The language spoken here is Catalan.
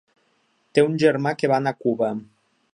Té un germà que va anar a Cuba.